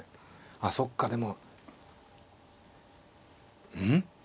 あそっかでもうん？